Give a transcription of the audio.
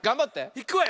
いくわよ。